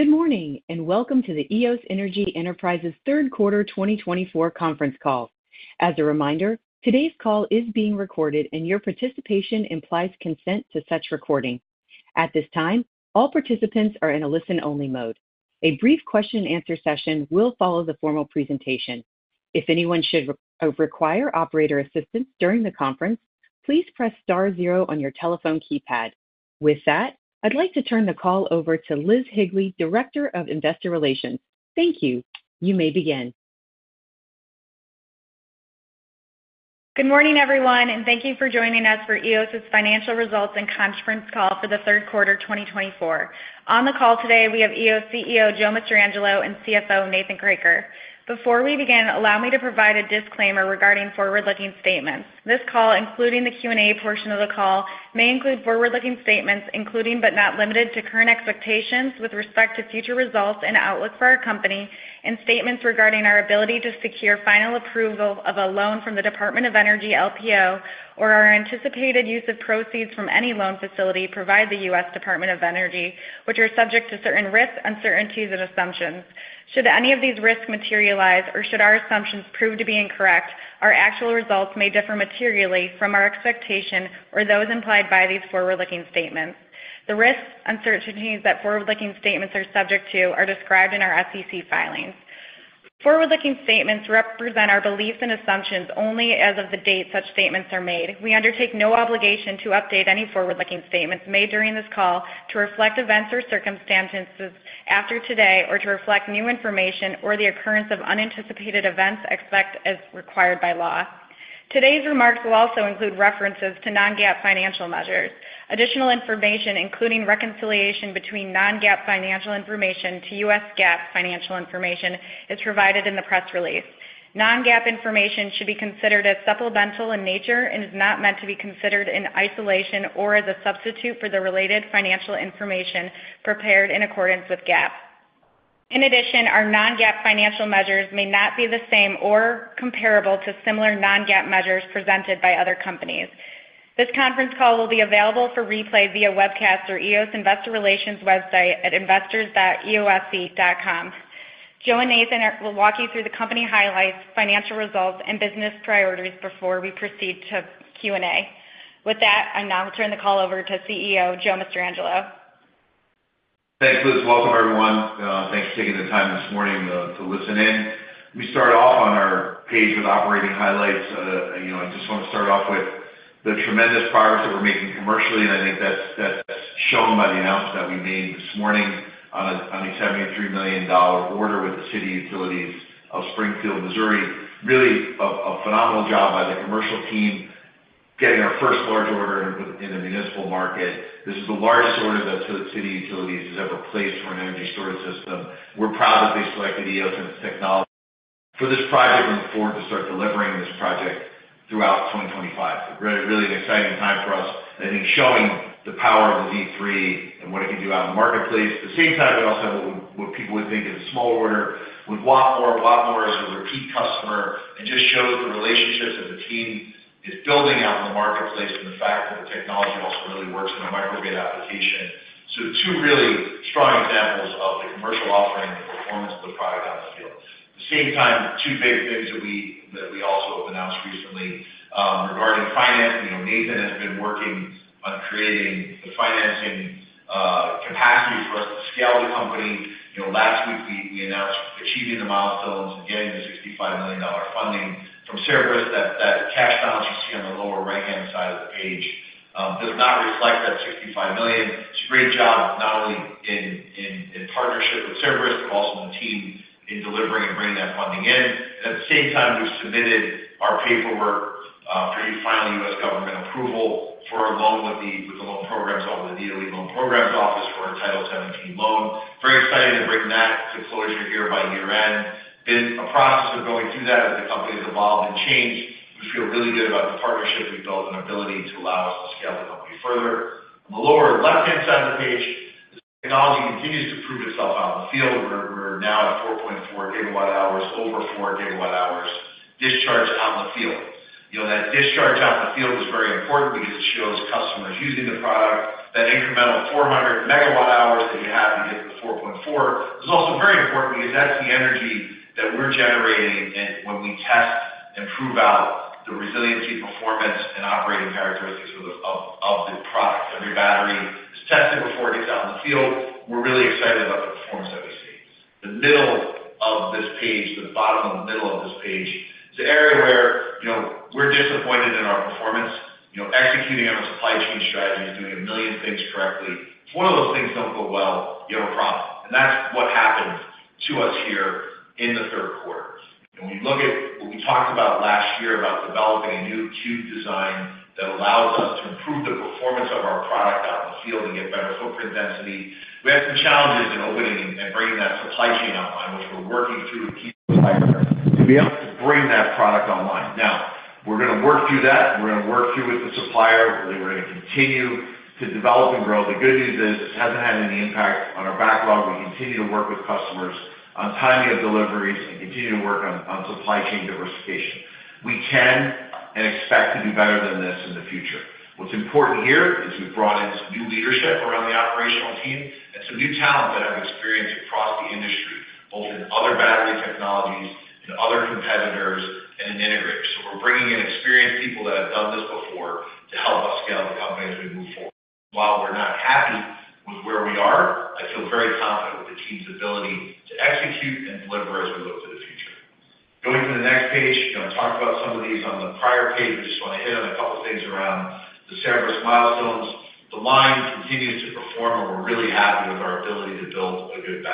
Good morning and welcome to the Eos Energy Enterprises Third Quarter 2024 Conference Call. As a reminder, today's call is being recorded and your participation implies consent to such recording. At this time, all participants are in a listen-only mode. A brief question-and-answer session will follow the formal presentation. If anyone should require operator assistance during the conference, please press star zero on your telephone keypad. With that, I'd like to turn the call over to Liz Higley, Director of Investor Relations. Thank you. You may begin. Good morning, everyone, and thank you for joining us for Eos's financial results and conference call for the Third Quarter 2024. On the call today, we have Eos CEO Joe Mastrangelo and CFO Nathan Kroeker. Before we begin, allow me to provide a disclaimer regarding forward-looking statements. This call, including the Q&A portion of the call, may include forward-looking statements including, but not limited to, current expectations with respect to future results and outlook for our company, and statements regarding our ability to secure final approval of a loan from the Department of Energy LPO, or our anticipated use of proceeds from any loan facility provided the U.S. Department of Energy, which are subject to certain risks, uncertainties, and assumptions. Should any of these risks materialize, or should our assumptions prove to be incorrect, our actual results may differ materially from our expectation or those implied by these forward-looking statements. The risks and uncertainties that forward-looking statements are subject to are described in our SEC filings. Forward-looking statements represent our beliefs and assumptions only as of the date such statements are made. We undertake no obligation to update any forward-looking statements made during this call to reflect events or circumstances after today or to reflect new information or the occurrence of unanticipated events expected as required by law. Today's remarks will also include references to non-GAAP financial measures. Additional information, including reconciliation between non-GAAP financial information to U.S. GAAP financial information, is provided in the press release. Non-GAAP information should be considered as supplemental in nature and is not meant to be considered in isolation or as a substitute for the related financial information prepared in accordance with GAAP. In addition, our non-GAAP financial measures may not be the same or comparable to similar non-GAAP measures presented by other companies. This conference call will be available for replay via webcast through Eos Investor Relations website at investors.eose.com. Joe and Nathan will walk you through the company highlights, financial results, and business priorities before we proceed to Q&A. With that, I now turn the call over to CEO Joe Mastrangelo. Thanks, Liz. Welcome, everyone. Thanks for taking the time this morning to listen in. We start off on our page with operating highlights. I just want to start off with the tremendous progress that we're making commercially, and I think that's shown by the announcement that we made this morning on a $73 million order with the City Utilities of Springfield, Missouri. Really a phenomenal job by the commercial team getting our first large order in the municipal market. This is the largest order that the City Utilities has ever placed for an energy storage system. We're proud that they selected Eos Energy Enterprises for this project and look forward to start delivering this project throughout 2025. Really an exciting time for us, I think, showing the power of the Z3 and what it can do out in the marketplace. At the same time, we also have what people would think is a small order with a lot more, a lot more as a repeat customer, and just shows the relationships that the team is building out in the marketplace and the fact that the technology also really works in a microgrid application. So two really strong examples of the commercial offering and the performance of the product out in the field. At the same time, two big things that we also have announced recently regarding financing. Nathan has been working on creating the financing capacity for us to scale the company. Last week, we announced achieving the milestones and getting the $65 million funding from Cerberus. That cash balance you see on the lower right-hand side of the page does not reflect that $65 million. It's a great job not only in partnership with Cerberus but also the team in delivering and bringing that funding in. At the same time, we've submitted our paperwork for final U.S. government approval for a loan with the Loan Programs Office, the DOE Loan Programs Office for our Title 17 loan. Very excited to bring that to closure here by year-end. Been a process of going through that as the company has evolved and changed. We feel really good about the partnership we've built and the ability to allow us to scale the company further. On the lower left-hand side of the page, the technology continues to prove itself out in the field. We're now at 4.4 GWh, over 4 GWhs discharged out in the field. That discharge out in the field is very important because it shows customers using the product. That incremental 400 MWh that you have to get to 4.4 is also very important because that's the energy that we're generating when we test and prove out the resiliency, performance, and operating characteristics of the product. Every battery is tested before it gets out in the field. We're really excited about the performance that we see. The middle of this page, the bottom of the middle of this page, is the area where we're disappointed in our performance. Executing on a supply chain strategy is doing a million things correctly. If one of those things don't go well, you have a problem. And that's what happened to us here in the third quarter. When you look at what we talked about last year about developing a new Cube design that allows us to improve the performance of our product out in the field and get better footprint density, we had some challenges in opening and bringing that supply chain online, which we're working through to keep the supply chain to be able to bring that product online. Now, we're going to work through that. We're going to work through with the supplier. We're going to continue to develop and grow. The good news is this hasn't had any impact on our backlog. We continue to work with customers on timing of deliveries and continue to work on supply chain diversification. We can and expect to do better than this in the future. What's important here is we've brought in some new leadership around the operational team and some new talent that have experience across the industry, both in other battery technologies, in other competitors, and in integrators. So we're bringing in experienced people that have done this before to help us scale the company as we move forward. While we're not happy with where we are, I feel very confident with the team's ability to execute and deliver as we look to the future. Going to the next page, I talked about some of these on the prior page. I just want to hit on a couple of things around the Cerberus milestones. The line continues to perform, and we're really happy with our ability to build a good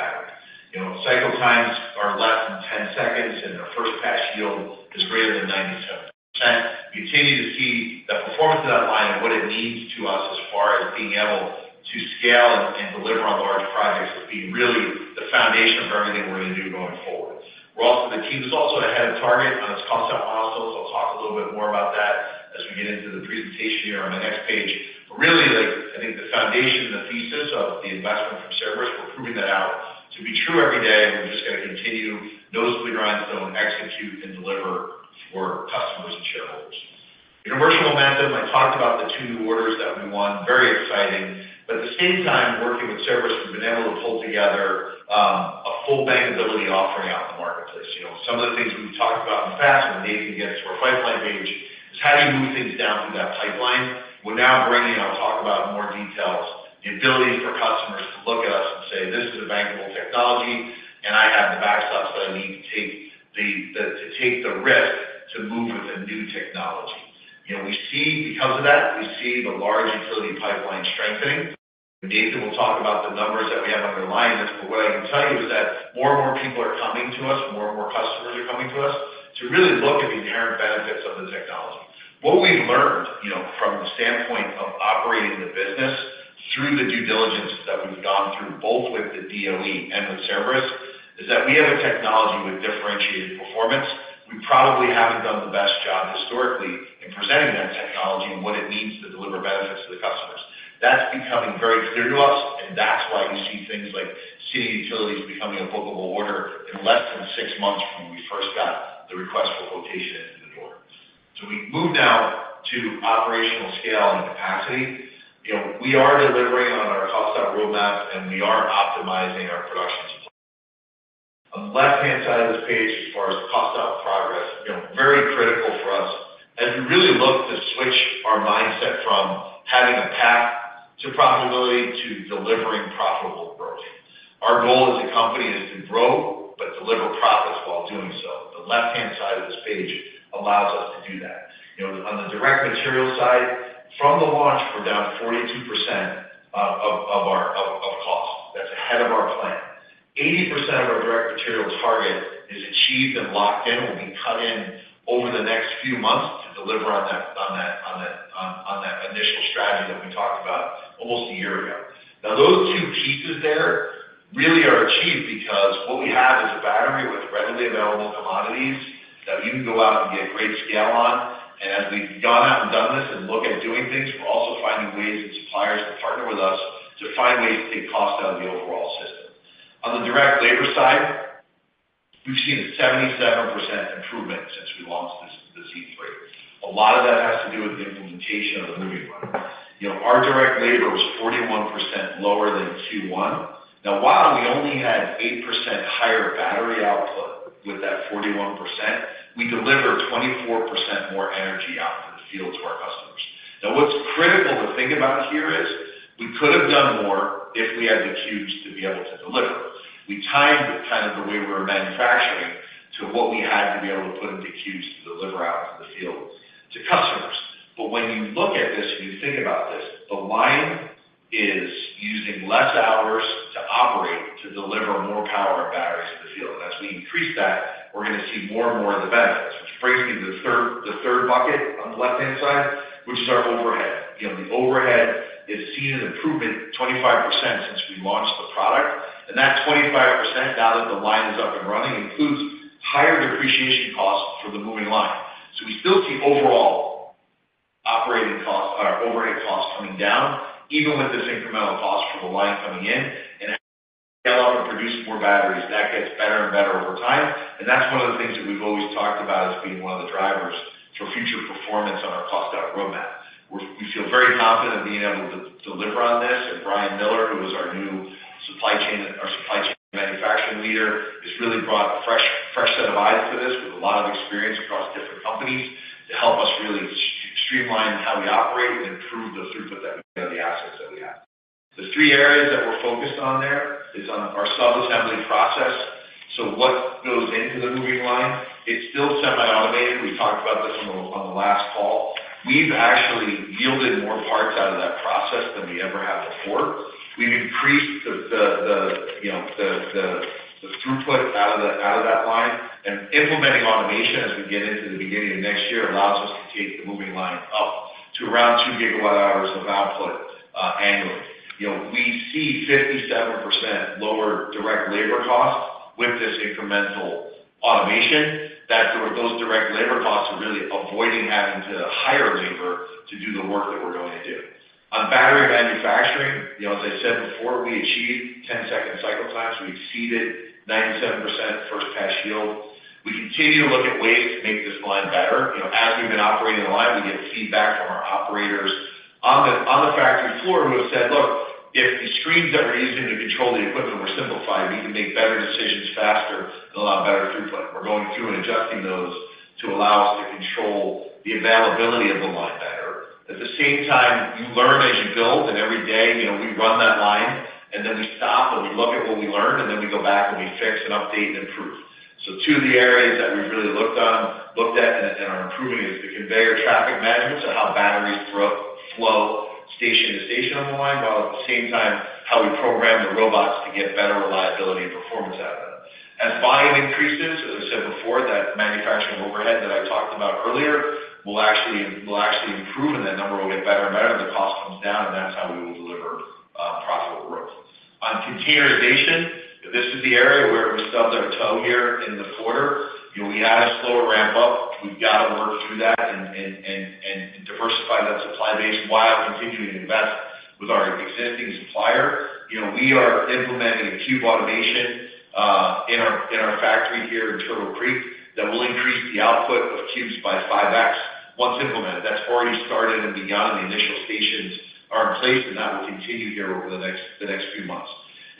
battery. Cycle times are less than 10 seconds, and our first pass yield is greater than 97%. We continue to see the performance of that line and what it means to us as far as being able to scale and deliver on large projects as being really the foundation of everything we're going to do going forward. The team is also ahead of target on its cost milestones. I'll talk a little bit more about that as we get into the presentation here on my next page. But really, I think the foundation and the thesis of the investment from Cerberus. We're proving that out to be true every day. We're just going to continue to keep our nose to the grindstone, execute, and deliver for customers and shareholders. The commercial momentum, I talked about the two new orders that we won. Very exciting. But at the same time, working with Cerberus, we've been able to pull together a full bankability offering out in the marketplace. Some of the things we've talked about in the past, and we're needing to get to our pipeline page, is how do you move things down through that pipeline? We're now bringing in, I'll talk about in more detail, the ability for customers to look at us and say, "This is a bankable technology, and I have the backstops that I need to take the risk to move with a new technology." Because of that, we see the large utility pipeline strengthening. Nathan will talk about the numbers that we have underlying this, but what I can tell you is that more and more people are coming to us, more and more customers are coming to us to really look at the inherent benefits of the technology. What we've learned from the standpoint of operating the business through the due diligence that we've gone through both with the DOE and with Cerberus is that we have a technology with differentiated performance. We probably haven't done the best job historically in presenting that technology and what it means to deliver benefits to the customers. That's becoming very clear to us, and that's why you see things like City Utilities becoming a bookable order in less than six months from when we first got the request for quotation into the door. So we move now to operational scale and capacity. We are delivering on our cost roadmap, and we are optimizing our productions. On the left-hand side of this page, as far as cost progress, very critical for us as we really look to switch our mindset from having a path to profitability to delivering profitable growth. Our goal as a company is to grow but deliver profits while doing so. The left-hand side of this page allows us to do that. On the direct material side, from the launch, we're down 42% of our cost. That's ahead of our plan. 80% of our direct material target is achieved and locked in. We'll be cut in over the next few months to deliver on that initial strategy that we talked about almost a year ago. Now, those two pieces there really are achieved because what we have is a battery with readily available commodities that you can go out and get great scale on. And as we've gone out and done this and look at doing things, we're also finding ways that suppliers will partner with us to find ways to take cost out of the overall system. On the direct labor side, we've seen a 77% improvement since we launched the Z3. A lot of that has to do with the implementation of the moving market. Our direct labor was 41% lower than Q1. Now, while we only had 8% higher battery output with that 41%, we delivered 24% more energy out to the field to our customers. Now, what's critical to think about here is we could have done more if we had the Cubes to be able to deliver. We timed kind of the way we were manufacturing to what we had to be able to put into Cubes to deliver out to the field to customers. But when you look at this and you think about this, the line is using less hours to operate to deliver more power and batteries to the field. As we increase that, we're going to see more and more of the benefits, which brings me to the third bucket on the left-hand side, which is our overhead. The overhead has seen an improvement of 25% since we launched the product. That 25%, now that the line is up and running, includes higher depreciation costs for the moving line. So we still see overall operating costs, our overhead costs coming down, even with this incremental cost from the line coming in. As we scale up and produce more batteries, that gets better and better over time. That's one of the things that we've always talked about as being one of the drivers for future performance on our cost roadmap. We feel very confident in being able to deliver on this. Brian Miller, who is our new supply chain manufacturing leader, has really brought a fresh set of eyes to this with a lot of experience across different companies to help us really streamline how we operate and improve the throughput that we have of the assets that we have. The three areas that we're focused on there is on our sub-assembly process. So what goes into the moving line? It's still semi-automated. We talked about this on the last call. We've actually yielded more parts out of that process than we ever have before. We've increased the throughput out of that line. And implementing automation as we get into the beginning of next year allows us to take the moving line up to around 2 GWh of output annually. We see 57% lower direct labor costs with this incremental automation. Those direct labor costs are really avoiding having to hire labor to do the work that we're going to do. On battery manufacturing, as I said before, we achieved 10-second cycle times. We exceeded 97% First Pass Yield. We continue to look at ways to make this line better. As we've been operating the line, we get feedback from our operators on the factory floor who have said, "Look, if the screens that we're using to control the equipment were simplified, we can make better decisions faster and allow better throughput." We're going through and adjusting those to allow us to control the availability of the line better. At the same time, you learn as you build. And every day, we run that line, and then we stop and we look at what we learned, and then we go back and we fix and update and improve. So, two of the areas that we've really looked at and are improving is the conveyor traffic management, so how batteries flow station to station on the line, while at the same time how we program the robots to get better reliability and performance out of them. As volume increases, as I said before, that manufacturing overhead that I talked about earlier will actually improve, and that number will get better and better, and the cost comes down, and that's how we will deliver profitable growth. On containerization, this is the area where we stubbed our toe here in the quarter. We had a slow ramp-up. We've got to work through that and diversify that supply base while continuing to invest with our existing supplier. We are implementing a Cube automation in our factory here in Turtle Creek that will increase the output of Cubes by 5x once implemented. That's already started and begun, and the initial stations are in place, and that will continue here over the next few months.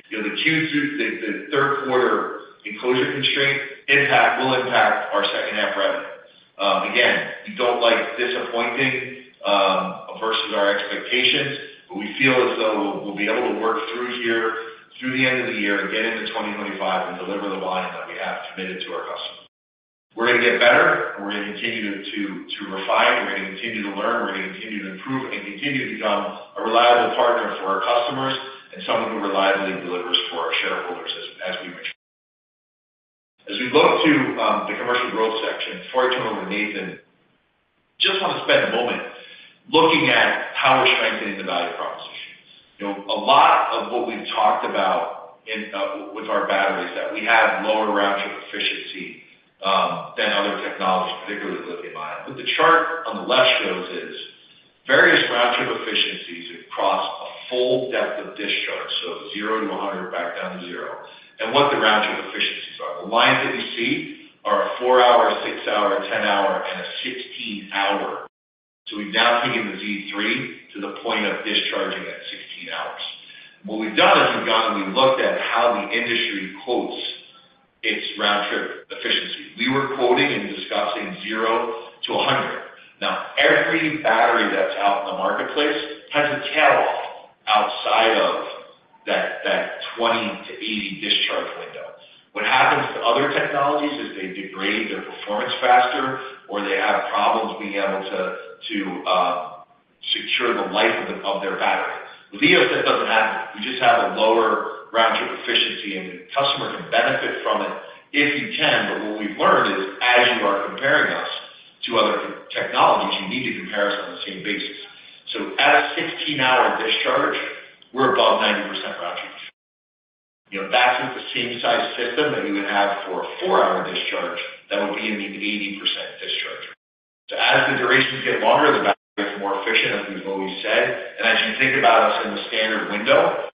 The Q3, the third quarter enclosure constraint impact will impact our second-half revenue. Again, we don't like disappointing versus our expectations, but we feel as though we'll be able to work through here through the end of the year and get into 2025 and deliver the volume that we have committed to our customers. We're going to get better, and we're going to continue to refine. We're going to continue to learn. We're going to continue to improve and continue to become a reliable partner for our customers and someone who reliably delivers for our shareholders as we mature. As we look to the commercial growth section, before I turn over to Nathan, I just want to spend a moment looking at how we're strengthening the value proposition. A lot of what we've talked about with our battery is that we have lower round-trip efficiency than other technologies, particularly lithium-ion. What the chart on the left shows is various round-trip efficiencies across a full depth of discharge, so 0-100, back down to 0, and what the round-trip efficiencies are. The lines that we see are a 4-hour, 6-hour, 10-hour, and a 16-hour. So we've now taken the Z3 to the point of discharging at 16 hours. What we've done is we've gone and we've looked at how the industry quotes its round-trip efficiency. We were quoting and discussing 0-100. Now, every battery that's out in the marketplace has a tail off outside of that 20-80 discharge window. What happens to other technologies is they degrade their performance faster or they have problems being able to secure the life of their battery. With Eos, that doesn't happen. We just have a lower round-trip efficiency, and the customer can benefit from it if you can. But what we've learned is as you are comparing us to other technologies, you need to compare us on the same basis. So at a 16-hour discharge, we're above 90% round-trip efficiency. That's with the same size system that you would have for a 4-hour discharge that would be an 80% discharge. So as the durations get longer, the battery gets more efficient, as we've always said. And as you think about us in the standard window,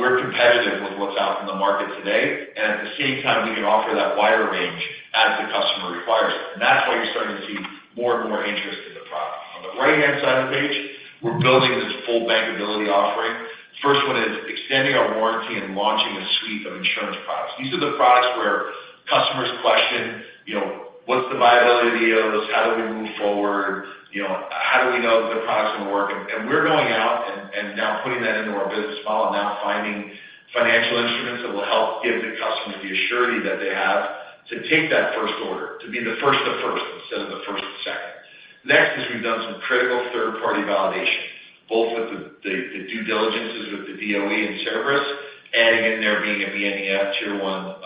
we're competitive with what's out in the market today. And at the same time, we can offer that wider range as the customer requires. And that's why you're starting to see more and more interest in the product. On the right-hand side of the page, we're building this full bankability offering. The first one is extending our warranty and launching a suite of insurance products. These are the products where customers question, "What's the viability of the Eos? How do we move forward? How do we know that the product's going to work?" And we're going out and now putting that into our business model and now finding financial instruments that will help give the customer the assurance that they have to take that first order, to be the first of first instead of the first of second. Next is we've done some critical third-party validation, both with the due diligences with the DOE and Cerberus, adding in there being a BNEF tier one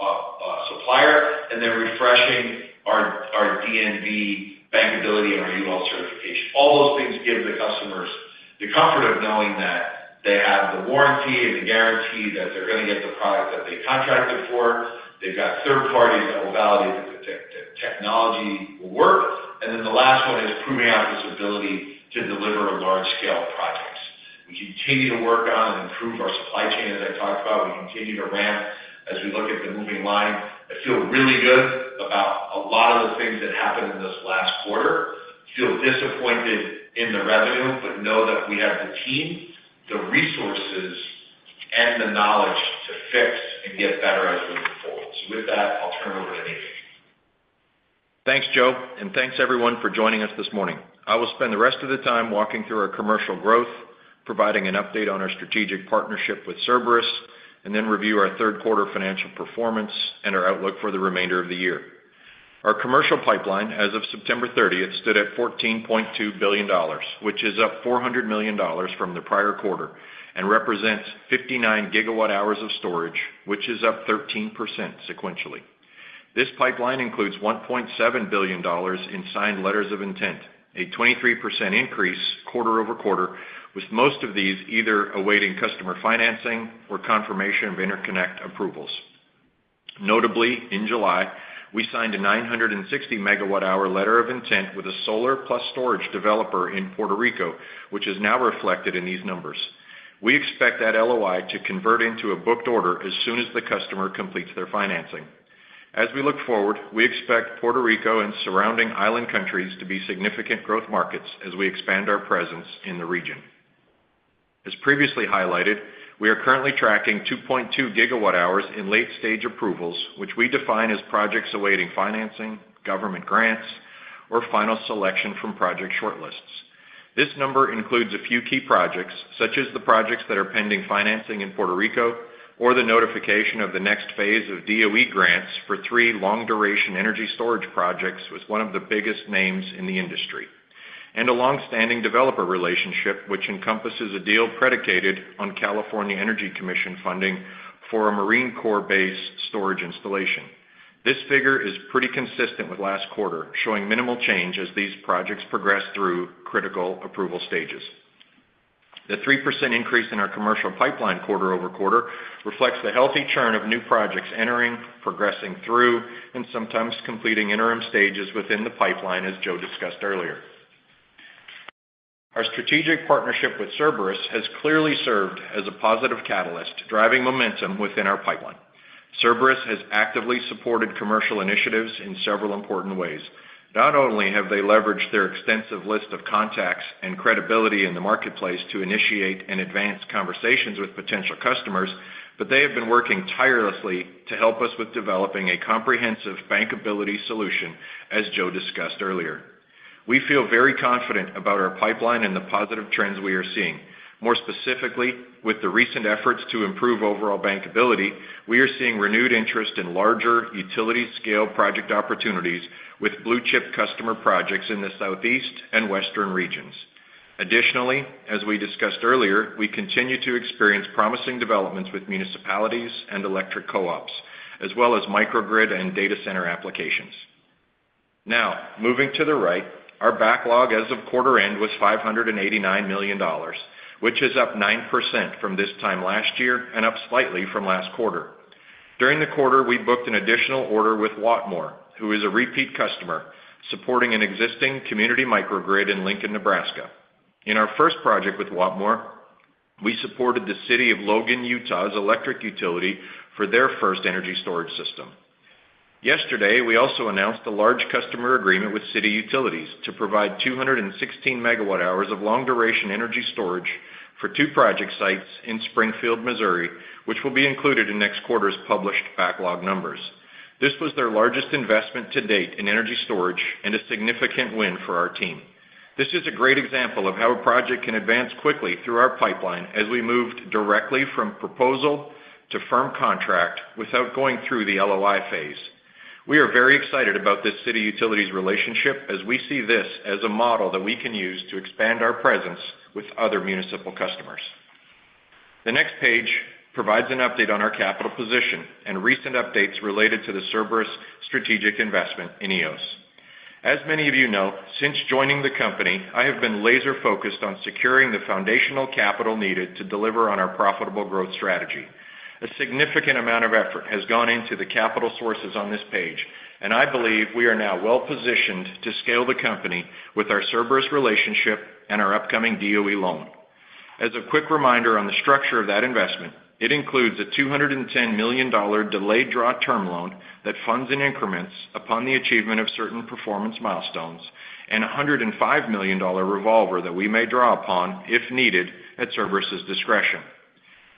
supplier, and then refreshing our DNV bankability and our UL certification. All those things give the customers the comfort of knowing that they have the warranty and the guarantee that they're going to get the product that they contracted for. They've got third parties that will validate that the technology will work. And then the last one is proving out this ability to deliver large-scale projects. We continue to work on and improve our supply chain, as I talked about. We continue to ramp as we look at the moving line. I feel really good about a lot of the things that happened in this last quarter. I feel disappointed in the revenue, but know that we have the team, the resources, and the knowledge to fix and get better as we move forward. So with that, I'll turn it over to Nathan. Thanks, Joe, and thanks everyone for joining us this morning. I will spend the rest of the time walking through our commercial growth, providing an update on our strategic partnership with Cerberus, and then review our third-quarter financial performance and our outlook for the remainder of the year. Our commercial pipeline, as of September 30th, stood at $14.2 billion, which is up $400 million from the prior quarter and represents 59 GWhs of storage, which is up 13% sequentially. This pipeline includes $1.7 billion in signed letters of intent, a 23% increase quarter-over-quarter, with most of these either awaiting customer financing or confirmation of interconnect approvals. Notably, in July, we signed a 960-MWh letter of intent with a solar-plus-storage developer in Puerto Rico, which is now reflected in these numbers. We expect that LOI to convert into a booked order as soon as the customer completes their financing. As we look forward, we expect Puerto Rico and surrounding island countries to be significant growth markets as we expand our presence in the region. As previously highlighted, we are currently tracking 2.2 GWhs in late-stage approvals, which we define as projects awaiting financing, government grants, or final selection from project shortlists. This number includes a few key projects, such as the projects that are pending financing in Puerto Rico or the notification of the next phase of DOE grants for three long-duration energy storage projects with one of the biggest names in the industry, and a long-standing developer relationship which encompasses a deal predicated on California Energy Commission funding for a Marine Corps-based storage installation. This figure is pretty consistent with last quarter, showing minimal change as these projects progress through critical approval stages. The 3% increase in our commercial pipeline quarter-over-quarter reflects the healthy churn of new projects entering, progressing through, and sometimes completing interim stages within the pipeline, as Joe discussed earlier. Our strategic partnership with Cerberus has clearly served as a positive catalyst, driving momentum within our pipeline. Cerberus has actively supported commercial initiatives in several important ways. Not only have they leveraged their extensive list of contacts and credibility in the marketplace to initiate and advance conversations with potential customers, but they have been working tirelessly to help us with developing a comprehensive bankability solution, as Joe discussed earlier. We feel very confident about our pipeline and the positive trends we are seeing. More specifically, with the recent efforts to improve overall bankability, we are seeing renewed interest in larger utility-scale project opportunities with blue-chip customer projects in the southeast and western regions. Additionally, as we discussed earlier, we continue to experience promising developments with municipalities and electric co-ops, as well as microgrid and data center applications. Now, moving to the right, our backlog as of quarter end was $589 million, which is up 9% from this time last year and up slightly from last quarter. During the quarter, we booked an additional order with Wattmore, who is a repeat customer supporting an existing community microgrid in Lincoln, Nebraska. In our first project with Wattmore, we supported the City of Logan, Utah's electric utility for their first energy storage system. Yesterday, we also announced a large customer agreement with City Utilities to provide 216 MWhs of long-duration energy storage for two project sites in Springfield, Missouri, which will be included in next quarter's published backlog numbers. This was their largest investment to date in energy storage and a significant win for our team. This is a great example of how a project can advance quickly through our pipeline as we moved directly from proposal to firm contract without going through the LOI phase. We are very excited about this City Utilities relationship as we see this as a model that we can use to expand our presence with other municipal customers. The next page provides an update on our capital position and recent updates related to the Cerberus strategic investment in Eos. As many of you know, since joining the company, I have been laser-focused on securing the foundational capital needed to deliver on our profitable growth strategy. A significant amount of effort has gone into the capital sources on this page, and I believe we are now well-positioned to scale the company with our Cerberus relationship and our upcoming DOE loan. As a quick reminder on the structure of that investment, it includes a $210 million delayed draw term loan that funds in increments upon the achievement of certain performance milestones and a $105 million revolver that we may draw upon if needed at Cerberus's discretion.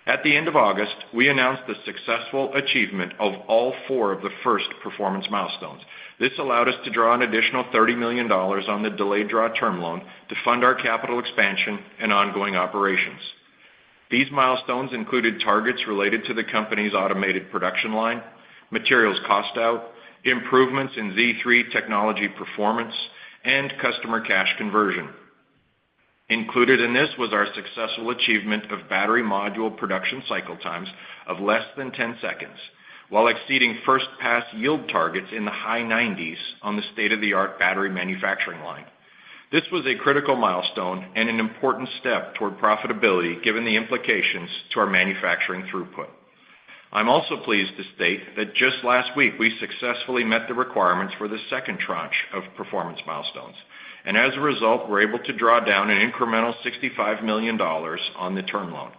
At the end of August, we announced the successful achievement of all four of the first performance milestones. This allowed us to draw an additional $30 million on the delayed draw term loan to fund our capital expansion and ongoing operations. These milestones included targets related to the company's automated production line, materials cost out, improvements in Z3 technology performance, and customer cash conversion. Included in this was our successful achievement of battery module production cycle times of less than 10 seconds, while exceeding first-pass yield targets in the high 90s on the state-of-the-art battery manufacturing line. This was a critical milestone and an important step toward profitability given the implications to our manufacturing throughput. I'm also pleased to state that just last week, we successfully met the requirements for the second tranche of performance milestones. And as a result, we're able to draw down an incremental $65 million on the term loan.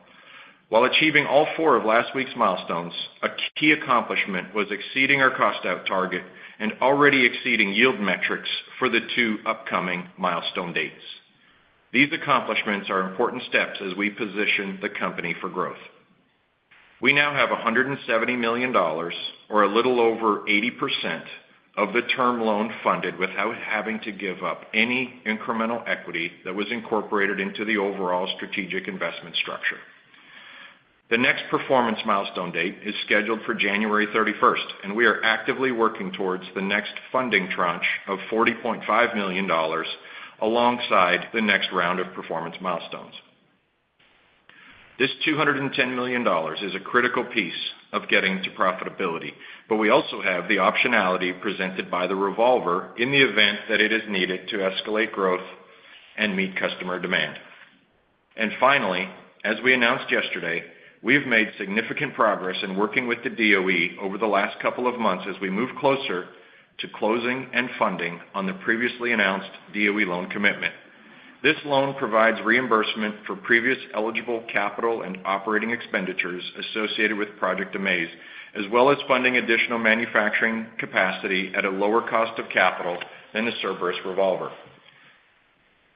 While achieving all four of last week's milestones, a key accomplishment was exceeding our cost out target and already exceeding yield metrics for the two upcoming milestone dates. These accomplishments are important steps as we position the company for growth. We now have $170 million, or a little over 80%, of the term loan funded without having to give up any incremental equity that was incorporated into the overall strategic investment structure. The next performance milestone date is scheduled for January 31st, and we are actively working towards the next funding tranche of $40.5 million alongside the next round of performance milestones. This $210 million is a critical piece of getting to profitability, but we also have the optionality presented by the revolver in the event that it is needed to escalate growth and meet customer demand. Finally, as we announced yesterday, we have made significant progress in working with the DOE over the last couple of months as we move closer to closing and funding on the previously announced DOE loan commitment. This loan provides reimbursement for previous eligible capital and operating expenditures associated with Project AMAZE, as well as funding additional manufacturing capacity at a lower cost of capital than the Cerberus revolver.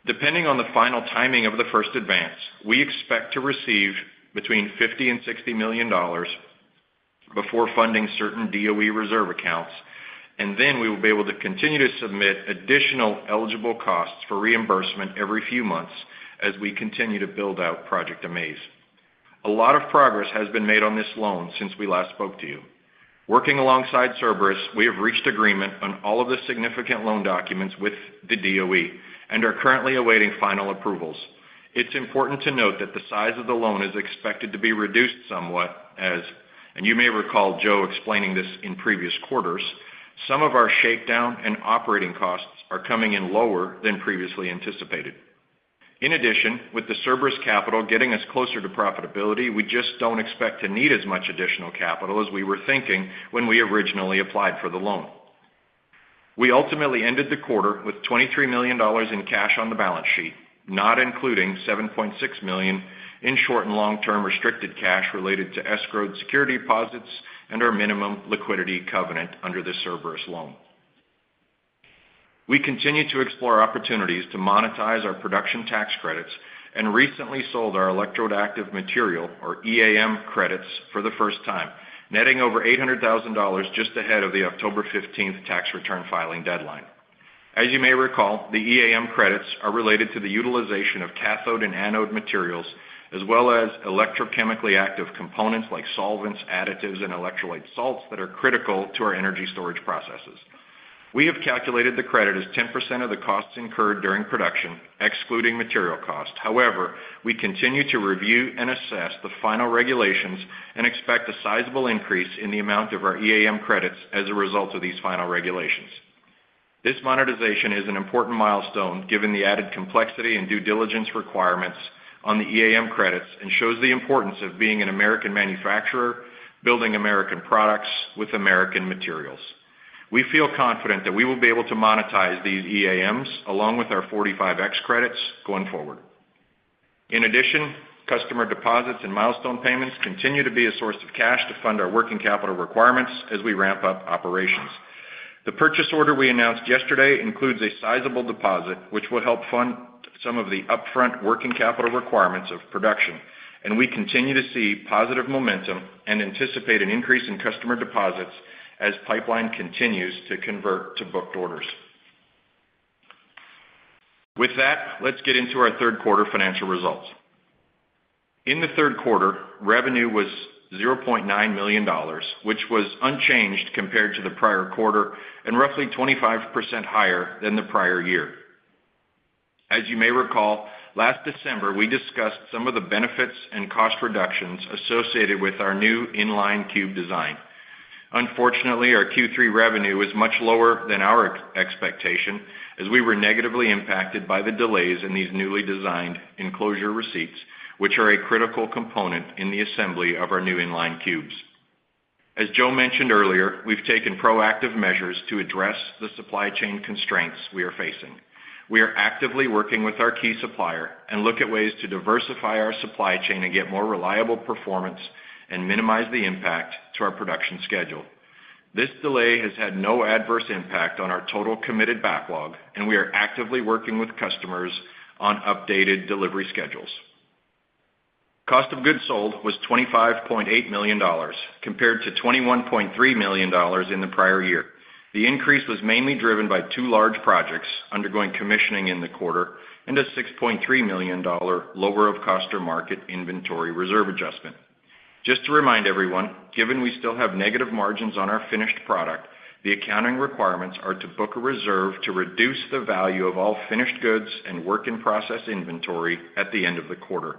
Depending on the final timing of the first advance, we expect to receive between $50 million and $60 million before funding certain DOE reserve accounts, and then we will be able to continue to submit additional eligible costs for reimbursement every few months as we continue to build out Project AMAZE. A lot of progress has been made on this loan since we last spoke to you. Working alongside Cerberus, we have reached agreement on all of the significant loan documents with the DOE and are currently awaiting final approvals. It's important to note that the size of the loan is expected to be reduced somewhat as, and you may recall Joe explaining this in previous quarters, some of our shakedown and operating costs are coming in lower than previously anticipated. In addition, with the Cerberus Capital getting us closer to profitability, we just don't expect to need as much additional capital as we were thinking when we originally applied for the loan. We ultimately ended the quarter with $23 million in cash on the balance sheet, not including $7.6 million in short and long-term restricted cash related to escrowed security deposits and our minimum liquidity covenant under the Cerberus loan. We continue to explore opportunities to monetize our production tax credits and recently sold our electrode active material, or EAM, credits for the first time, netting over $800,000 just ahead of the October 15th tax return filing deadline. As you may recall, the EAM credits are related to the utilization of cathode and anode materials, as well as electrochemically active components like solvents, additives, and electrolyte salts that are critical to our energy storage processes. We have calculated the credit as 10% of the costs incurred during production, excluding material cost. However, we continue to review and assess the final regulations and expect a sizable increase in the amount of our EAM credits as a result of these final regulations. This monetization is an important milestone given the added complexity and due diligence requirements on the EAM credits and shows the importance of being an American manufacturer, building American products with American materials. We feel confident that we will be able to monetize these EAMs along with our 45X credits going forward. In addition, customer deposits and milestone payments continue to be a source of cash to fund our working capital requirements as we ramp up operations. The purchase order we announced yesterday includes a sizable deposit, which will help fund some of the upfront working capital requirements of production, and we continue to see positive momentum and anticipate an increase in customer deposits as pipeline continues to convert to booked orders. With that, let's get into our third-quarter financial results. In the third quarter, revenue was $0.9 million, which was unchanged compared to the prior quarter and roughly 25% higher than the prior year. As you may recall, last December, we discussed some of the benefits and cost reductions associated with our new inline cube design. Unfortunately, our Q3 revenue is much lower than our expectation as we were negatively impacted by the delays in these newly designed enclosure receipts, which are a critical component in the assembly of our new inline cubes. As Joe mentioned earlier, we've taken proactive measures to address the supply chain constraints we are facing. We are actively working with our key supplier and look at ways to diversify our supply chain and get more reliable performance and minimize the impact to our production schedule. This delay has had no adverse impact on our total committed backlog, and we are actively working with customers on updated delivery schedules. Cost of goods sold was $25.8 million compared to $21.3 million in the prior year. The increase was mainly driven by two large projects undergoing commissioning in the quarter and a $6.3 million lower of cost or market inventory reserve adjustment. Just to remind everyone, given we still have negative margins on our finished product, the accounting requirements are to book a reserve to reduce the value of all finished goods and work in process inventory at the end of the quarter,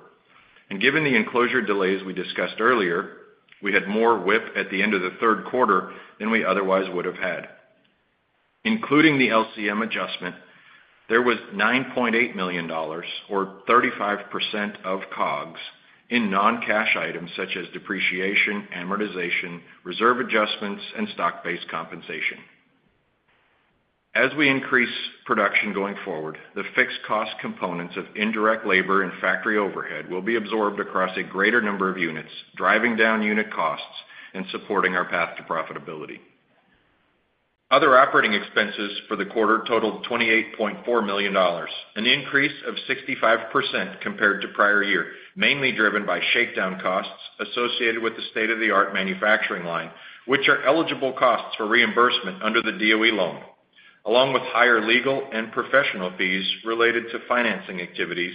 and given the enclosure delays we discussed earlier, we had more WIP at the end of the third quarter than we otherwise would have had. Including the LCM adjustment, there was $9.8 million, or 35% of COGS, in non-cash items such as depreciation, amortization, reserve adjustments, and stock-based compensation. As we increase production going forward, the fixed cost components of indirect labor and factory overhead will be absorbed across a greater number of units, driving down unit costs and supporting our path to profitability. Other operating expenses for the quarter totaled $28.4 million, an increase of 65% compared to prior year, mainly driven by shakedown costs associated with the state-of-the-art manufacturing line, which are eligible costs for reimbursement under the DOE loan, along with higher legal and professional fees related to financing activities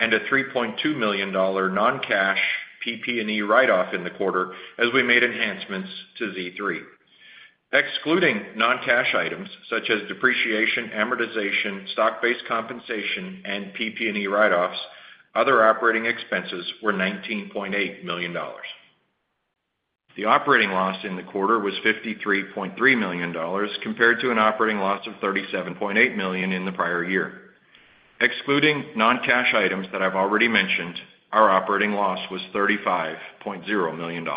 and a $3.2 million non-cash PP&E write-off in the quarter as we made enhancements to Z3. Excluding non-cash items such as depreciation, amortization, stock-based compensation, and PP&E write-offs, other operating expenses were $19.8 million. The operating loss in the quarter was $53.3 million compared to an operating loss of $37.8 million in the prior year. Excluding non-cash items that I've already mentioned, our operating loss was $35.0 million.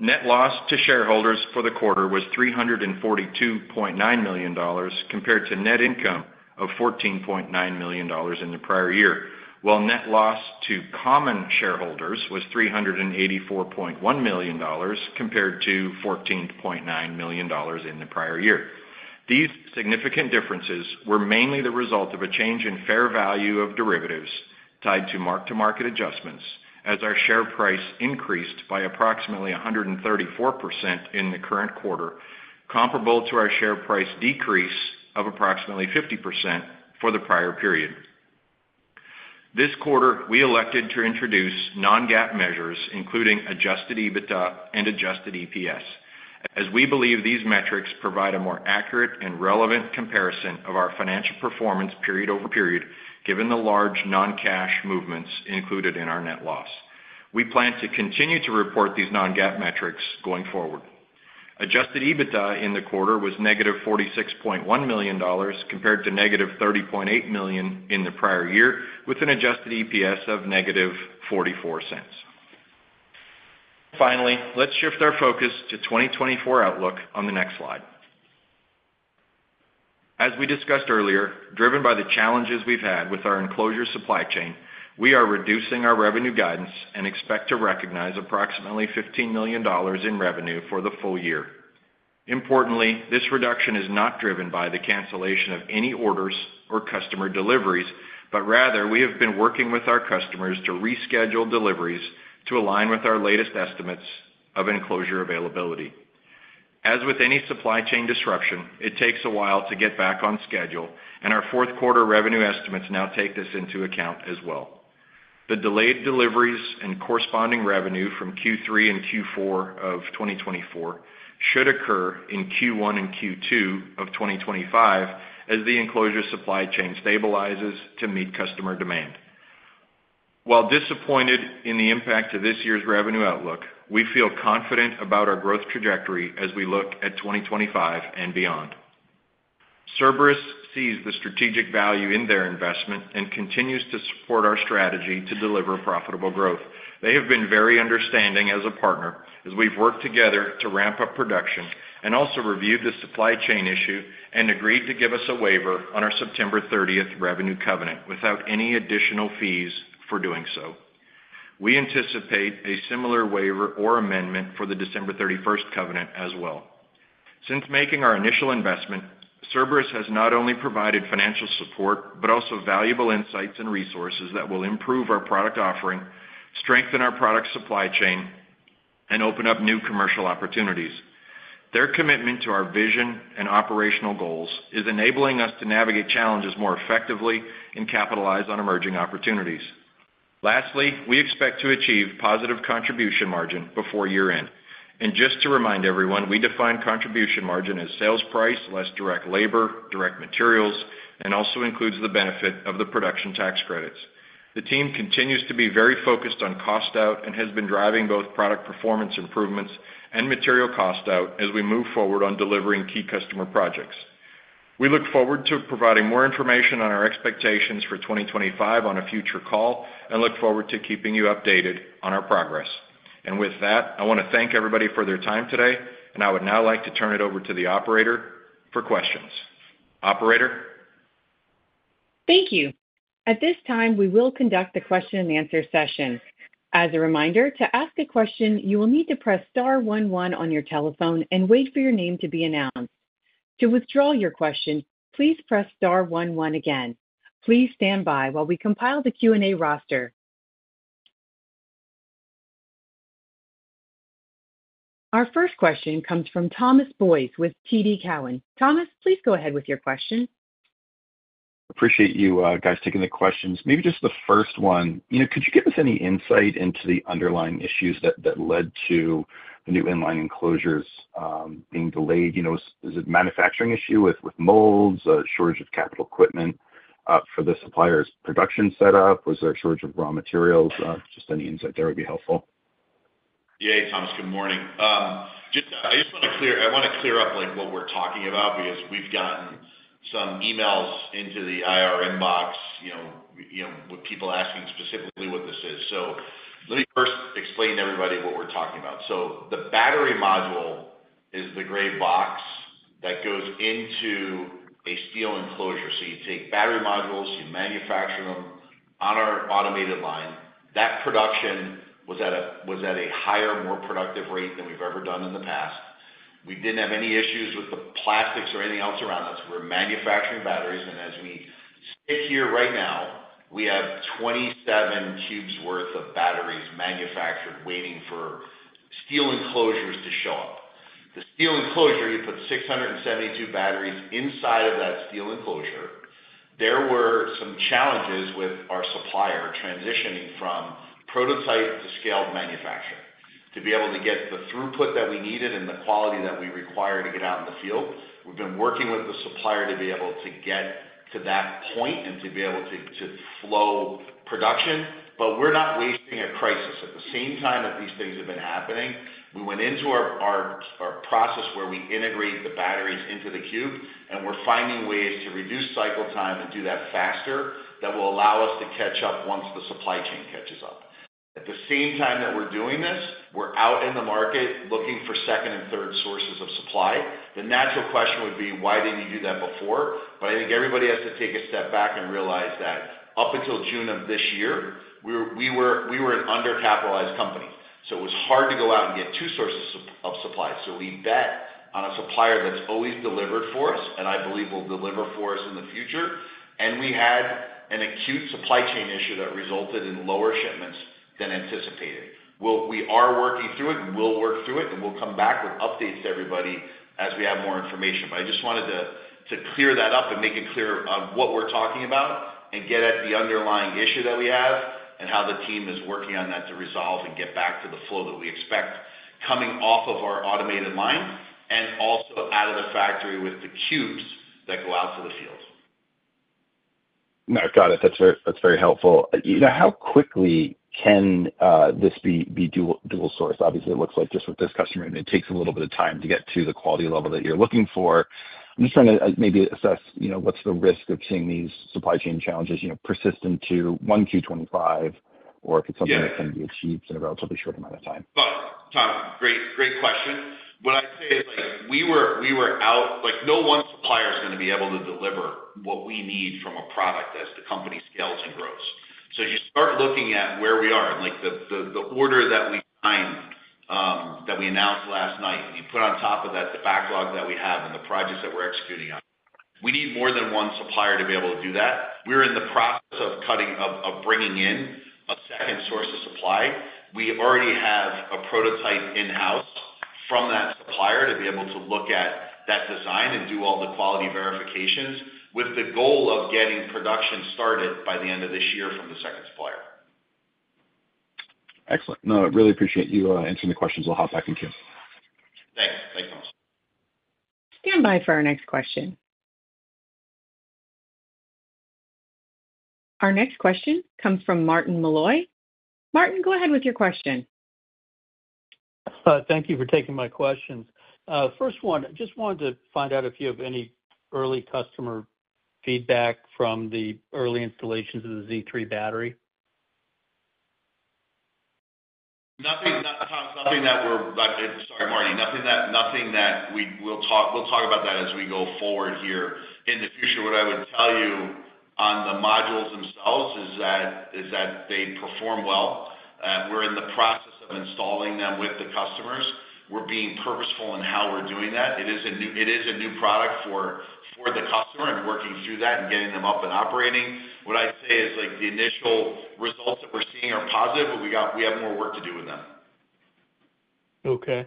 Net loss to shareholders for the quarter was $342.9 million compared to net income of $14.9 million in the prior year, while net loss to common shareholders was $384.1 million compared to $14.9 million in the prior year. These significant differences were mainly the result of a change in fair value of derivatives tied to mark-to-market adjustments as our share price increased by approximately 134% in the current quarter, comparable to our share price decrease of approximately 50% for the prior period. This quarter, we elected to introduce non-GAAP measures, including adjusted EBITDA and adjusted EPS, as we believe these metrics provide a more accurate and relevant comparison of our financial performance period over period, given the large non-cash movements included in our net loss. We plan to continue to report these non-GAAP metrics going forward. Adjusted EBITDA in the quarter was -$46.1 million compared to -$30.8 million in the prior year, with an adjusted EPS of -$0.44. Finally, let's shift our focus to 2024 outlook on the next slide. As we discussed earlier, driven by the challenges we've had with our enclosure supply chain, we are reducing our revenue guidance and expect to recognize approximately $15 million in revenue for the full year. Importantly, this reduction is not driven by the cancellation of any orders or customer deliveries, but rather we have been working with our customers to reschedule deliveries to align with our latest estimates of enclosure availability. As with any supply chain disruption, it takes a while to get back on schedule, and our fourth-quarter revenue estimates now take this into account as well. The delayed deliveries and corresponding revenue from Q3 and Q4 of 2024 should occur in Q1 and Q2 of 2025 as the enclosure supply chain stabilizes to meet customer demand. While disappointed in the impact of this year's revenue outlook, we feel confident about our growth trajectory as we look at 2025 and beyond. Cerberus sees the strategic value in their investment and continues to support our strategy to deliver profitable growth. They have been very understanding as a partner as we've worked together to ramp up production and also reviewed the supply chain issue and agreed to give us a waiver on our September 30th revenue covenant without any additional fees for doing so. We anticipate a similar waiver or amendment for the December 31st covenant as well. Since making our initial investment, Cerberus has not only provided financial support but also valuable insights and resources that will improve our product offering, strengthen our product supply chain, and open up new commercial opportunities. Their commitment to our vision and operational goals is enabling us to navigate challenges more effectively and capitalize on emerging opportunities. Lastly, we expect to achieve positive contribution margin before year-end, and just to remind everyone, we define contribution margin as sales price less direct labor, direct materials, and also includes the benefit of the production tax credits. The team continues to be very focused on cost out and has been driving both product performance improvements and material cost out as we move forward on delivering key customer projects. We look forward to providing more information on our expectations for 2025 on a future call and look forward to keeping you updated on our progress. And with that, I want to thank everybody for their time today, and I would now like to turn it over to the operator for questions. Operator. Thank you. At this time, we will conduct the question and answer session. As a reminder, to ask a question, you will need to press star one one on your telephone and wait for your name to be announced. To withdraw your question, please press star one one again. Please stand by while we compile the Q&A roster. Our first question comes from Thomas Boyes with TD Cowen. Thomas, please go ahead with your question. Appreciate you guys taking the questions. Maybe just the first one. Could you give us any insight into the underlying issues that led to the new inline enclosures being delayed? Is it a manufacturing issue with molds, a shortage of capital equipment for the supplier's production setup? Was there a shortage of raw materials? Just any insight there would be helpful. Yeah, hey, Thomas. Good morning. I just want to clear up what we're talking about because we've gotten some emails into the IR inbox with people asking specifically what this is. So let me first explain to everybody what we're talking about. So the battery module is the gray box that goes into a steel enclosure. So you take battery modules, you manufacture them on our automated line. That production was at a higher, more productive rate than we've ever done in the past. We didn't have any issues with the plastics or anything else around us. We're manufacturing batteries. And as we sit here right now, we have 27 cubes' worth of batteries manufactured waiting for steel enclosures to show up. The steel enclosure, you put 672 batteries inside of that steel enclosure. There were some challenges with our supplier transitioning from prototype to scaled manufacturing to be able to get the throughput that we needed and the quality that we require to get out in the field. We've been working with the supplier to be able to get to that point and to be able to flow production, but we're not wasting a crisis. At the same time that these things have been happening, we went into our process where we integrate the batteries into the cube, and we're finding ways to reduce cycle time and do that faster that will allow us to catch up once the supply chain catches up. At the same time that we're doing this, we're out in the market looking for second and third sources of supply. The natural question would be, why didn't you do that before? But I think everybody has to take a step back and realize that up until June of this year, we were an undercapitalized company. So it was hard to go out and get two sources of supply. So we bet on a supplier that's always delivered for us, and I believe will deliver for us in the future. And we had an acute supply chain issue that resulted in lower shipments than anticipated. We are working through it, and we'll work through it, and we'll come back with updates to everybody as we have more information. But I just wanted to clear that up and make it clear on what we're talking about and get at the underlying issue that we have and how the team is working on that to resolve and get back to the flow that we expect coming off of our automated line and also out of the factory with the cubes that go out to the field. No, got it. That's very helpful. How quickly can this be dual source? Obviously, it looks like just with this customer, it takes a little bit of time to get to the quality level that you're looking for. I'm just trying to maybe assess what's the risk of seeing these supply chain challenges persistent to 1Q 2025 or if it's something that can be achieved in a relatively short amount of time. Thomas. Great question What I'd say is we're out. No one supplier is going to be able to deliver what we need from a product a s the company scales and grows. So as you start looking at where we are and the order that we signed that we announced last night, and you put on top of that the backlog that we have and the projects that we're executing on, we need more than one supplier to be able to do that. We're in the process of bringing in a second source of supply. We already have a prototype in-house from that supplier to be able to look at that design and do all the quality verifications with the goal of getting production started by the end of this year from the second supplier. Excellent. No, I really appreciate you answering the questions. I'll hop back in here. Thanks. Thomas. Stand by for our next question. Our next question comes from Martin Malloy. Martin, go ahead with your question. Thank you for taking my questions. First one, I just wanted to find out if you have any early customer feedback from the early installations of the Z3 battery. Sorry, Martin. Nothing that we'll talk about that as we go forward here in the future. What I would tell you on the modules themselves is that they perform well. We're in the process of installing them with the customers. We're being purposeful in how we're doing that. It is a new product for the customer, and working through that and getting them up and operating. What I'd say is the initial results that we're seeing are positive, but we have more work to do with them. Okay.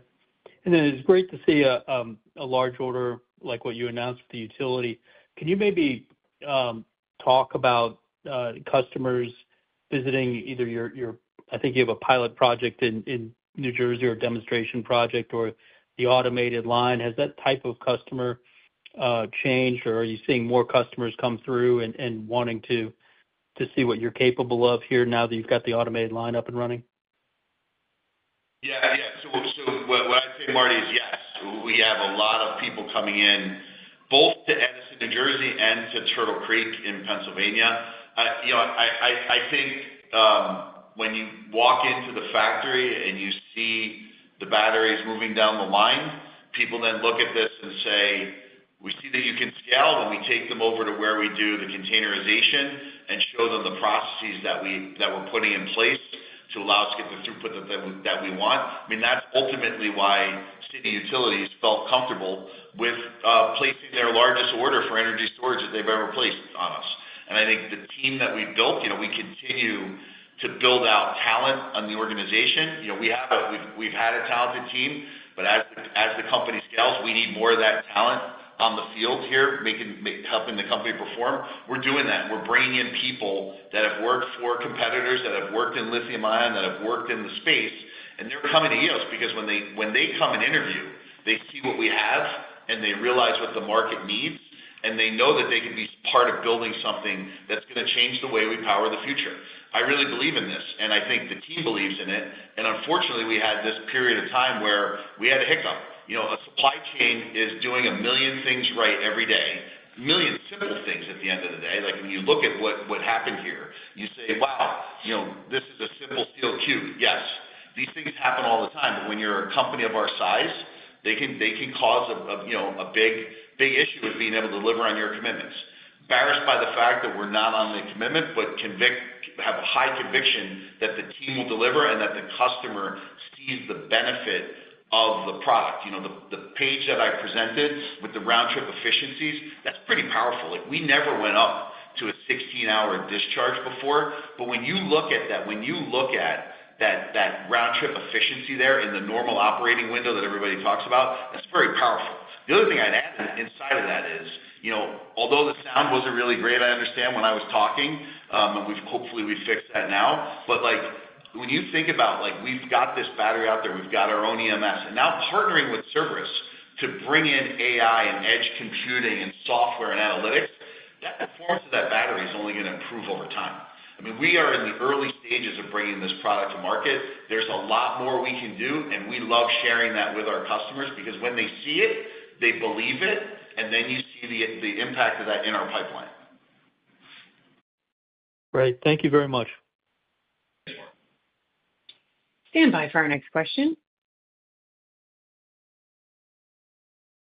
And then it's great to see a large order like what you announced with the utility. Can you maybe talk about customers visiting either your, I think, you have a pilot project in New Jersey or a demonstration project or the automated line? Has that type of customer changed, or are you seeing more customers come through and wanting to see what you're capable of here now that you've got the automated line up and running? Yeah. So what I'd say, Marty, is yes. We have a lot of people coming in both to Edison, New Jersey, and to Turtle Creek in Pennsylvania. I think when you walk into the factory and you see the batteries moving down the line, people then look at this and say, "We see that you can scale when we take them over to where we do the containerization and show them the processes that we're putting in place to allow us to get the throughput that we want." I mean, that's ultimately why City Utilities felt comfortable with placing their largest order for energy storage that they've ever placed on us. And I think the team that we built, we continue to build out talent on the organization. We've had a talented team, but as the company scales, we need more of that talent on the field here helping the company perform. We're doing that. We're bringing in people that have worked for competitors, that have worked in lithium-ion, that have worked in the space, and they're coming to us because when they come and interview, they see what we have, and they realize what the market needs, and they know that they can be part of building something that's going to change the way we power the future. I really believe in this, and I think the team believes in it. And unfortunately, we had this period of time where we had a hiccup. A supply chain is doing a million things right every day, a million simple things at the end of the day. When you look at what happened here, you say, "Wow, this is a simple steel cube." Yes. These things happen all the time, but when you're a company of our size, they can cause a big issue with being able to deliver on your commitments. Embarrassed by the fact that we're not on the commitment, but have a high conviction that the team will deliver and that the customer sees the benefit of the product. The page that I presented with the round trip efficiencies, that's pretty powerful. We never went up to a 16-hour discharge before, but when you look at that, when you look at that round trip efficiency there in the normal operating window that everybody talks about, that's very powerful. The other thing I'd add inside of that is, although the sound wasn't really great, I understand when I was talking, and hopefully we fix that now, but when you think about we've got this battery out there, we've got our own EMS, and now partnering with Cerberus to bring in AI and edge computing and software and analytics, that performance of that battery is only going to improve over time. I mean, we are in the early stages of bringing this product to market. There's a lot more we can do, and we love sharing that with our customers because when they see it, they believe it, and then you see the impact of that in our pipeline. Right. Thank you very much. Stand by for our next question.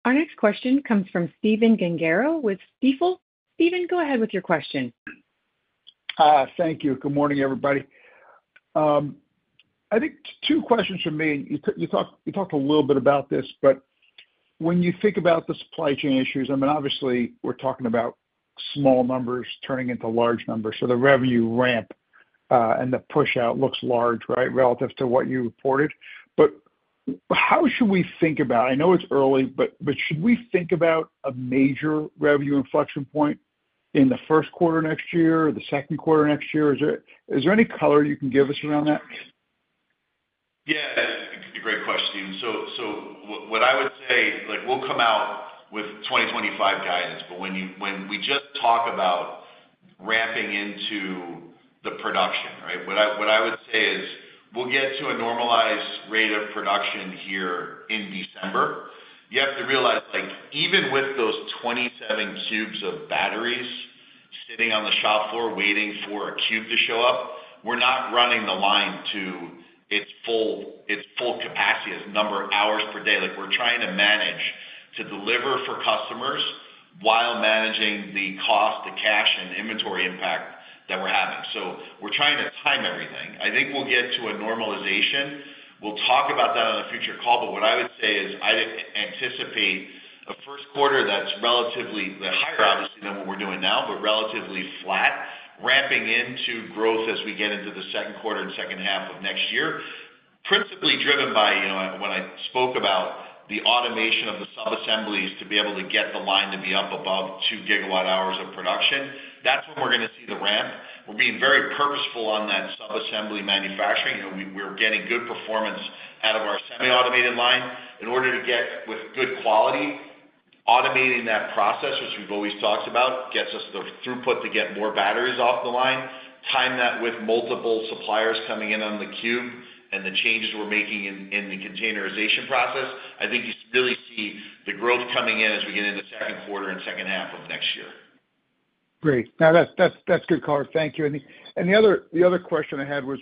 Our next question comes from Stephen Gengaro with Stifel. Stephen, go ahead with your question. Thank you. Good morning, everybody. I think two questions for me. You talked a little bit about this, but when you think about the supply chain issues, I mean, obviously, we're talking about small numbers turning into large numbers. So the revenue ramp and the push-out looks large, right, relative to what you reported. But how should we think about, I know it's early, but should we think about a major revenue inflection point in the first quarter next year or the second quarter next year? Is there any color you can give us around that? Yeah. It's a great question, so what I would say, we'll come out with 2025 guidance, but when we just talk about ramping into the production, right, what I would say is we'll get to a normalized rate of production here in December. You have to realize even with those 27 cubes of batteries sitting on the shop floor waiting for a cube to show up, we're not running the line to its full capacity as number of hours per day. We're trying to manage to deliver for customers while managing the cost, the cash, and inventory impact that we're having, so we're trying to time everything. I think we'll get to a normalization. We'll talk about that on a future call, but what I would say is I anticipate a first quarter that's relatively higher, obviously, than what we're doing now, but relatively flat, ramping into growth as we get into the second quarter and second half of next year, principally driven by when I spoke about the automation of the subassemblies to be able to get the line to be up above GWhs of production. That's when we're going to see the ramp. We're being very purposeful on that subassembly manufacturing. We're getting good performance out of our semi-automated line in order to get with good quality. Automating that process, which we've always talked about, gets us the throughput to get more batteries off the line, time that with multiple suppliers coming in on the cube and the changes we're making in the containerization process. I think you really see the growth coming in as we get into the second quarter and second half of next year. Great. No, that's good color. Thank you. And the other question I had was,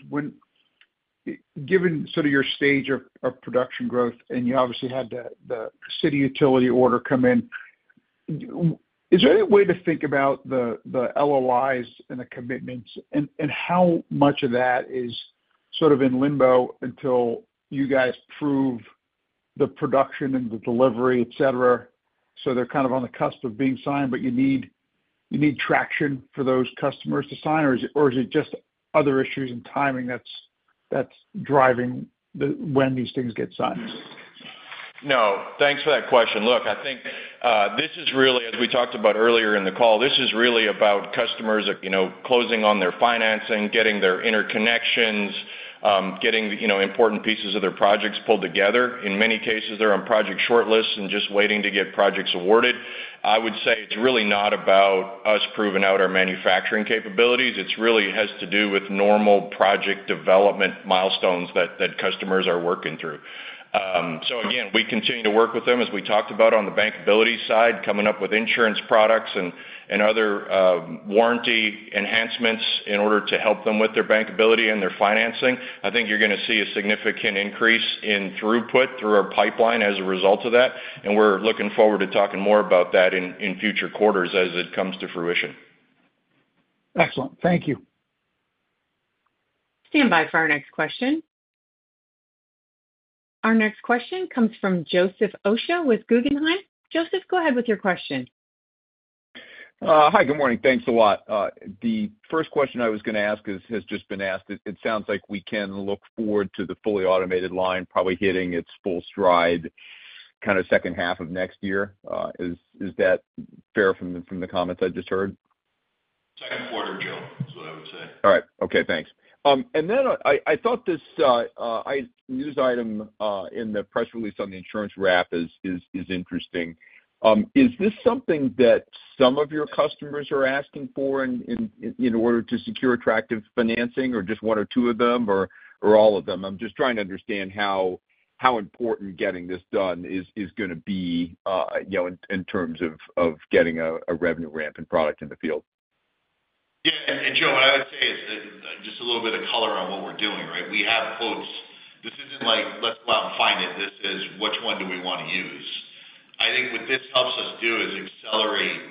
given sort of your stage of production growth, and you obviously had the City Utilities order come in, is there any way to think about the LOIs and the commitments and how much of that is sort of in limbo until you guys prove the production and the delivery, etc.? So they're kind of on the cusp of being signed, but you need traction for those customers to sign, or is it just other issues and timing that's driving when these things get signed? No. Thanks for that question. Look, I think this is really, as we talked about earlier in the call, this is really about customers closing on their financing, getting their interconnections, getting important pieces of their projects pulled together. In many cases, they're on project shortlists and just waiting to get projects awarded. I would say it's really not about us proving out our manufacturing capabilities. It really has to do with normal project development milestones that customers are working through. So again, we continue to work with them, as we talked about, on the bankability side, coming up with insurance products and other warranty enhancements in order to help them with their bankability and their financing. I think you're going to see a significant increase in throughput through our pipeline as a result of that, and we're looking forward to talking more about that in future quarters as it comes to fruition. Excellent. Thank you. Stand by for our next question. Our next question comes from Joseph Osha with Guggenheim. Joseph, go ahead with your question. Hi. Good morning. Thanks a lot. The first question I was going to ask has just been asked. It sounds like we can look forward to the fully automated line probably hitting its full stride kind of second half of next year. Is that fair from the comments I just heard? Second quarter, Joe, is what I would say. All right. Okay. Thanks. And then I thought this news item in the press release on the insurance wrap is interesting. Is this something that some of your customers are asking for in order to secure attractive financing, or just one or two of them, or all of them? I'm just trying to understand how important getting this done is going to be in terms of getting a revenue ramp in product in the field. Yeah. And Joe, what I would say is just a little bit of color on what we're doing, right? We have quotes. This isn't like, "Let's go out and find it." This is, "Which one do we want to use?" I think what this helps us do is accelerate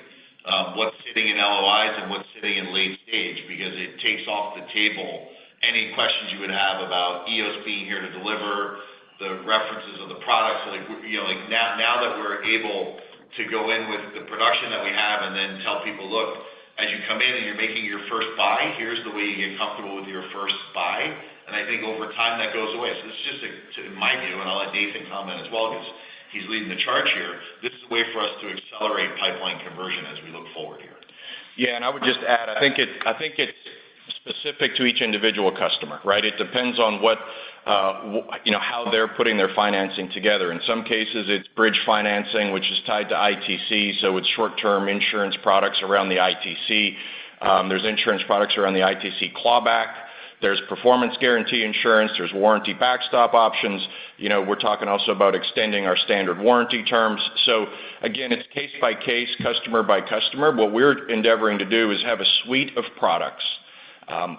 what's sitting in LOIs and what's sitting in late stage because it takes off the table any questions you would have about Eos being here to deliver, the references of the products. Now that we're able to go in with the production that we have and then tell people, "Look, as you come in and you're making your first buy, here's the way you get comfortable with your first buy." And I think over time, that goes away. So it's just, in my view, and I'll let Nathan comment as well because he's leading the charge here. This is a way for us to accelerate pipeline conversion as we look forward here. Yeah. And I would just add, I think it's specific to each individual customer, right? It depends on how they're putting their financing together. In some cases, it's bridge financing, which is tied to ITC. So it's short-term insurance products around the ITC. There's insurance products around the ITC clawback. There's performance guarantee insurance. There's warranty backstop options. We're talking also about extending our standard warranty terms. So again, it's case-by-case, customer-by-customer. What we're endeavoring to do is have a suite of products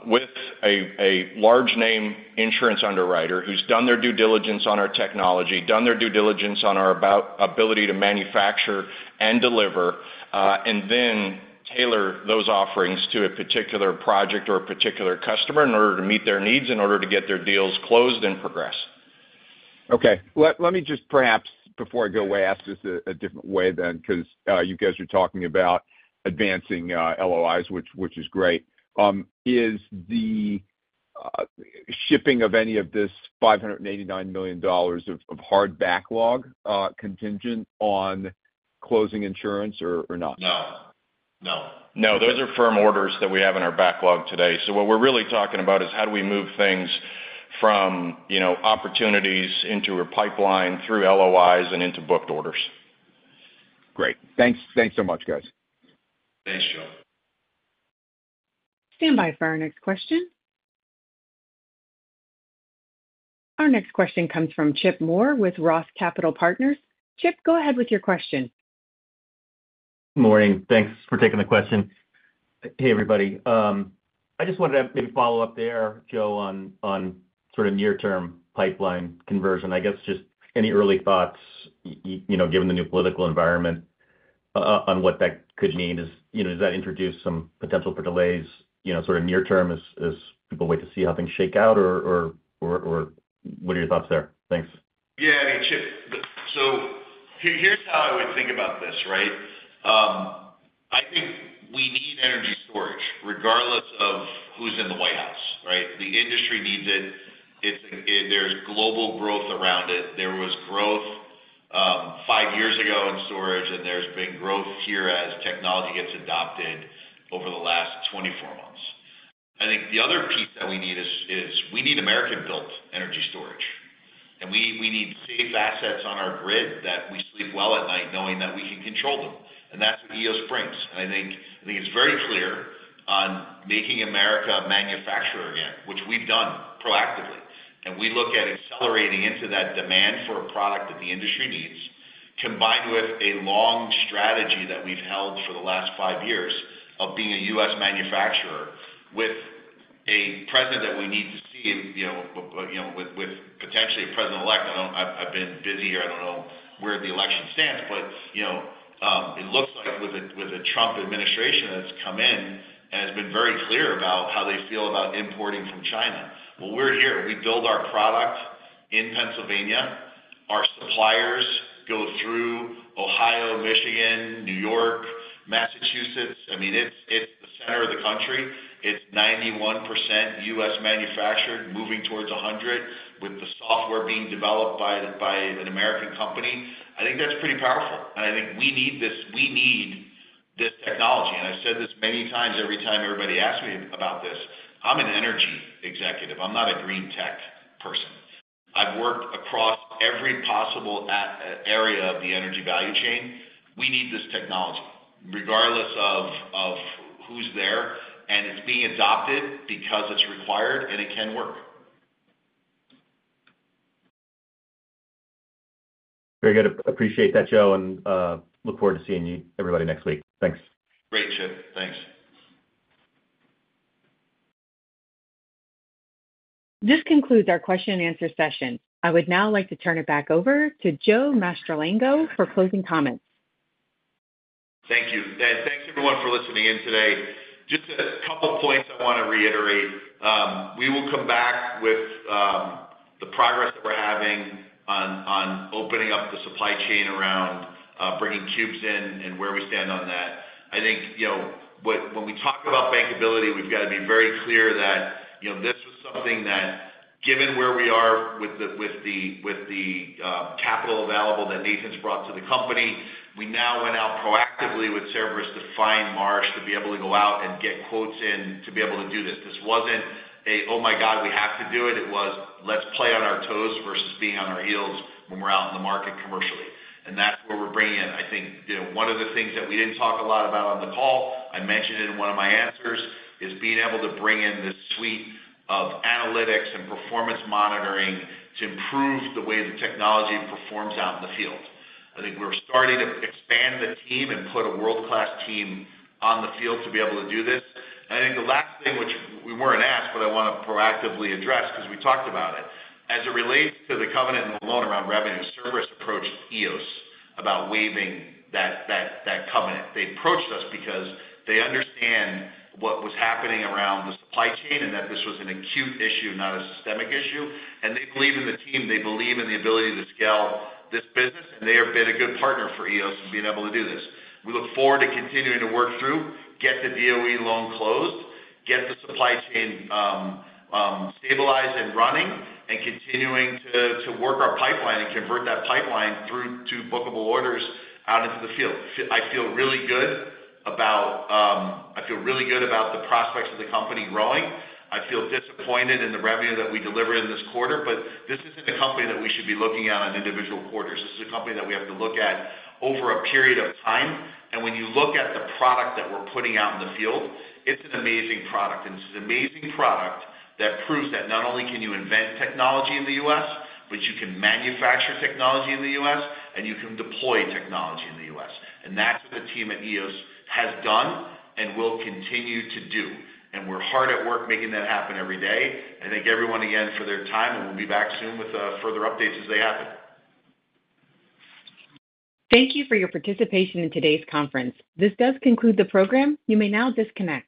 with a large-name insurance underwriter who's done their due diligence on our technology, done their due diligence on our ability to manufacture and deliver, and then tailor those offerings to a particular project or a particular customer in order to meet their needs in order to get their deals closed and progress. Okay. Let me just perhaps, before I go away, ask this a different way than because you guys are talking about advancing LOIs, which is great. Is the shipping of any of this $589 million of hard backlog contingent on closing insurance or not? No. Those are firm orders that we have in our backlog today. So what we're really talking about is how do we move things from opportunities into a pipeline through LOIs and into booked orders. Great. Thanks so much, guys. Thanks, Joe. Stand by for our next question. Our next question comes from Chip Moore with Roth Capital Partners. Chip, go ahead with your question. Good morning. Thanks for taking the question. Hey, everybody. I just wanted to maybe follow up there, Joe, on sort of near-term pipeline conversion. I guess just any early thoughts, given the new political environment, on what that could mean. Does that introduce some potential for delays sort of near-term as people wait to see how things shake out, or what are your thoughts there? Thanks. Yeah. I mean, Chip, so here's how I would think about this, right? I think we need energy storage regardless of who's in the White House, right? The industry needs it. There's global growth around it. There was growth five years ago in storage, and there's been growth here as technology gets adopted over the last 24 months. I think the other piece that we need is we need American-built energy storage, and we need safe assets on our grid that we sleep well at night knowing that we can control them. That's what Eos brings. I think it's very clear on making America a manufacturer again, which we've done proactively. And we look at accelerating into that demand for a product that the industry needs, combined with a long strategy that we've held for the last five years of being a U.S. manufacturer with a president that we need to see with potentially a president-elect. I've been busy here. I don't know where the election stands, but it looks like with a Trump administration that's come in and has been very clear about how they feel about importing from China. Well, we're here. We build our product in Pennsylvania. Our suppliers go through Ohio, Michigan, New York, Massachusetts. I mean, it's the center of the country. It's 91% U.S. manufactured, moving towards 100 with the software being developed by an American company. I think that's pretty powerful. And I think we need this technology. And I've said this many times every time everybody asks me about this. I'm an energy executive. I'm not a green tech person. I've worked across every possible area of the energy value chain. We need this technology regardless of who's there, and it's being adopted because it's required, and it can work. Very good. Appreciate that, Joe, and look forward to seeing everybody next week. Thanks. Great, Chip. Thanks. This concludes our question-and-answer session. I would now like to turn it back over to Joe Mastrangelo for closing comments. Thank you, and thanks, everyone, for listening in today. Just a couple of points I want to reiterate. We will come back with the progress that we're having on opening up the supply chain around bringing cubes in and where we stand on that. I think when we talk about bankability, we've got to be very clear that this was something that, given where we are with the capital available that Nathan's brought to the company, we now went out proactively with Cerberus to find Marsh to be able to go out and get quotes in to be able to do this. This wasn't a, "Oh my God, we have to do it." It was, "Let's play on our toes versus being on our heels when we're out in the market commercially." And that's where we're bringing in, I think. One of the things that we didn't talk a lot about on the call, I mentioned it in one of my answers, is being able to bring in this suite of analytics and performance monitoring to improve the way the technology performs out in the field. I think we're starting to expand the team and put a world-class team on the field to be able to do this. I think the last thing, which we weren't asked, but I want to proactively address because we talked about it, as it relates to the covenant and the loan around revenue. Cerberus approached Eos about waiving that covenant. They approached us because they understand what was happening around the supply chain and that this was an acute issue, not a systemic issue, and they believe in the team. They believe in the ability to scale this business, and they have been a good partner for Eos in being able to do this. We look forward to continuing to work through, get the DOE loan closed, get the supply chain stabilized and running, and continuing to work our pipeline and convert that pipeline through to bookable orders out into the field. I feel really good about the prospects of the company growing. I feel disappointed in the revenue that we delivered in this quarter, but this isn't a company that we should be looking at on individual quarters. This is a company that we have to look at over a period of time. And when you look at the product that we're putting out in the field, it's an amazing product. And it's an amazing product that proves that not only can you invent technology in the U.S., but you can manufacture technology in the U.S., and you can deploy technology in the U.S. That's what the team at Eos has done and will continue to do. We're hard at work making that happen every day. I thank everyone again for their time, and we'll be back soon with further updates as they happen. Thank you for your participation in today's conference. This does conclude the program. You may now disconnect.